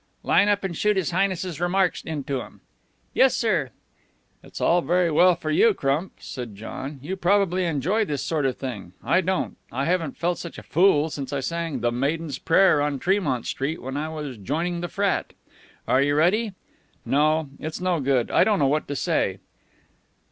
"Line up and shoot His Highness's remarks into 'em." "Yes, sir. "It's all very well for you, Crump," said John. "You probably enjoy this sort of thing. I don't. I haven't felt such a fool since I sang 'The Maiden's Prayer' on Tremont Street when I was joining the frat. Are you ready? No, it's no good. I don't know what to say."